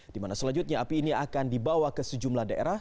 dimana selanjutnya api ini akan dibawa ke sejumlah daerah